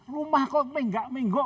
rumah kok minggok minggok